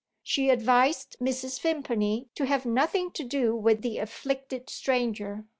She advised Mrs. Vimpany to have nothing to do with the afflicted stranger.